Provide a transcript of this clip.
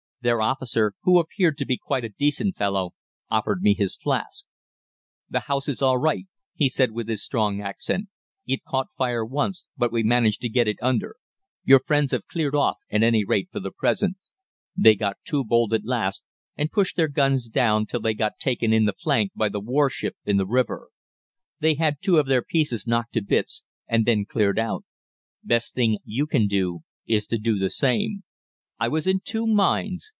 Their officer, who appeared to be quite a decent fellow, offered me his flask. "'The house is all right,' he said, with his strong accent. 'It caught fire once, but we managed to get it under. Your friends have cleared off at any rate for the present. They got too bold at last, and pushed their guns down till they got taken in the flank by the warship in the river. They had two of their pieces knocked to bits, and then cleared out. Best thing you can do is to do the same.' "I was in two minds.